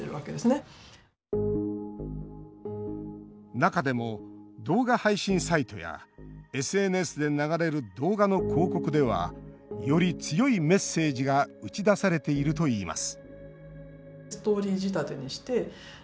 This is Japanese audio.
中でも、動画配信サイトやＳＮＳで流れる動画の広告ではより強いメッセージが打ち出されているといいます